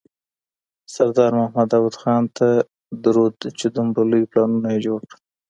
سردار محمد داود خان ته درود چي دومره لوی پلانونه یې جوړ کړل.